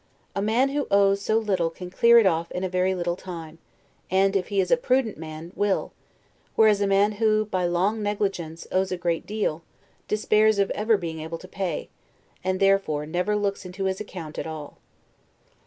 A man who owes so little can clear it off in a very little time, and, if he is a prudent man, will; whereas a man who, by long negligence, owes a great deal, despairs of ever being able to pay; and therefore never looks into his account at all.